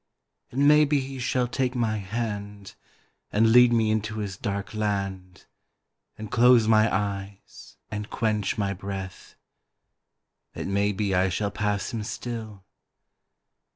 It may be he shall take my hand And lead me into his dark land And close my eyes and quench my breath It may be I shall pass him still.